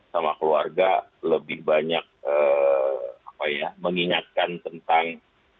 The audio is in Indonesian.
sama keluarga lebih banyak mengingatkan tentang